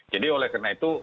jadi oleh karena itu